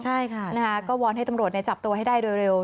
ใช่ค่ะนะคะก็วอนให้ตำรวจจับตัวให้ได้โดยเร็ว